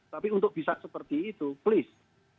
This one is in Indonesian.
tapi untuk bisa seperti itu please